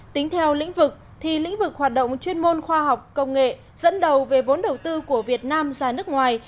tính theo lĩnh vực thì lĩnh vực hoạt động chuyên môn khoa học công nghệ dẫn đầu về vốn đầu tư của việt nam ra nước ngoài